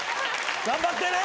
頑張ってね！